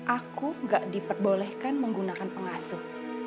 aku nggak diperbolehkan menggunakan pengasuh